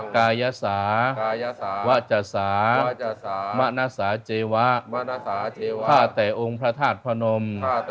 กายสาวะจสามะนสาเจวะถ้าแต่องค์พระธาตุพนม